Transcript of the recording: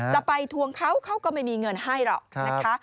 ไปทวงเขาเขาก็ไม่มีเงินให้หรอกนะคะ